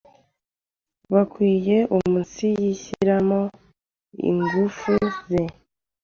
bakwiye umunsiyishyiramo ingufu ze